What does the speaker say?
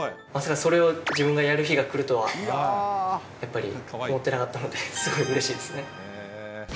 まさかそれを自分がやる日が来るとは、やっぱり思ってなかったので、すごいうれしいですね。